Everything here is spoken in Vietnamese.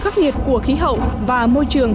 sự khắc nghiệt của khí hậu và môi trường